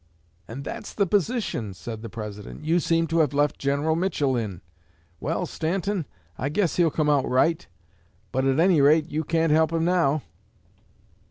'And that's the position,' said the President, 'you seem to have left General Mitchell in. Well, Stanton, I guess he'll come out right; but at any rate you can't help him now.'